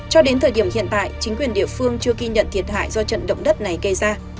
cho đến thời điểm hiện tại chính quyền địa phương chưa ghi nhận thiệt hại do trận động đất này gây ra